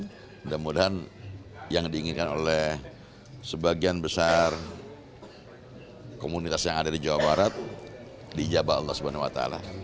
dan mudah mudahan yang diinginkan oleh sebagian besar komunitas yang ada di jawa barat dijabat allah swt